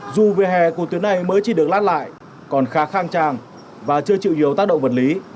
dù về hè của tuyến này mới chỉ được lát lại còn khá khang trang và chưa chịu nhiều tác động vật lý